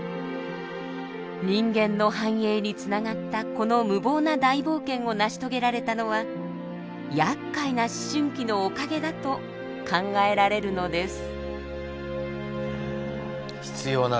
人間の繁栄につながったこの無謀な大冒険を成し遂げられたのはやっかいな思春期のおかげだと考えられるのです。